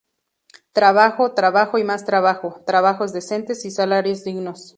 Trabajo, trabajo y más trabajo: trabajos decentes y salarios dignos.